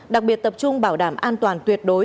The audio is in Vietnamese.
đặc biệt tập trung bảo đảm an toàn tuyệt đối